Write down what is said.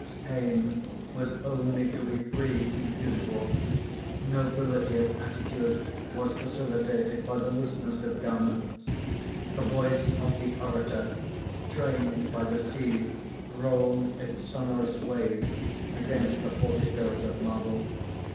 "Life's aim was only to be free and beautiful. Nobility of attitude was facilitated by the looseness of garments. The voice of the orator, trained by the sea, rolled its sonorous waves against the porticoes of marble.